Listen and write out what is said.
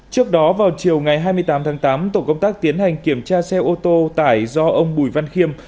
trước đó vào chiều ngày hai mươi tám tháng tám tổ công tác tiến hành kiểm tra xe ô tô tải do ông bùi văn khiêm